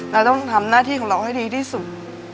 เราต้องทำหน้าที่ของเราให้ดีที่สุด